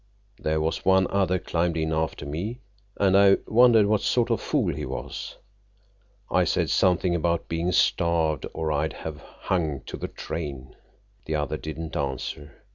There was one other climbed in after me, and I wondered what sort of fool he was. I said something about being starved or I'd have hung to the train. The other didn't answer.